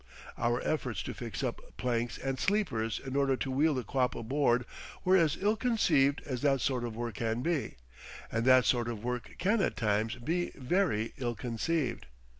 Our efforts to fix up planks and sleepers in order to wheel the quap aboard were as ill conceived as that sort of work can be—and that sort of work can at times be very ill conceived.